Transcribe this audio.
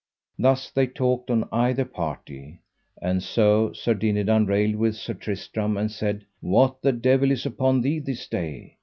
Thus they talked on either party; and so Sir Dinadan railed with Sir Tristram and said: What the devil is upon thee this day?